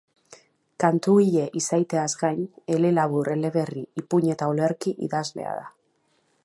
Kantugile izaiteaz gain, elelabur, eleberri, ipuin eta olerki idazlea da.